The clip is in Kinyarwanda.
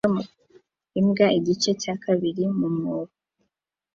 Imbwa igice cya kabiri mu mwobo